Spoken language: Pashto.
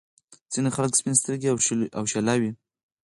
ځينې خلک سپين سترګي او شله وي.